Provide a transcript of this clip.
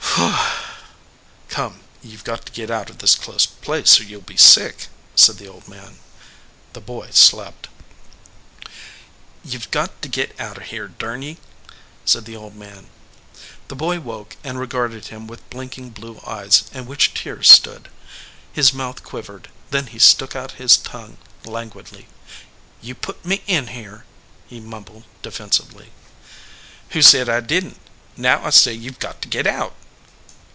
"Come, you ve got to git out of this close place or you ll be sick," said the old man. The boy slept. "You ve got to git out of here, durn ye," said the old man. The boy woke and regarded him with blinking blue eyes in which tears stood. His mouth quiv ered, then he stuck out his tongue languidly. "You put me in here," he mumbled, defensively. "Who said I didn t? Now I say you ve got to git out."